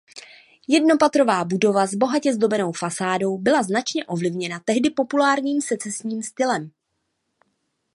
Jednopatrová budova s bohatě zdobenou fasádou byla značně ovlivněna tehdy populárním secesním stylem.